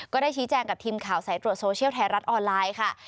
ก็ได้ชี้แจงกับทีมข่าวสายตรวจโซเชียลไทยรัฐออนไลน์ค่ะ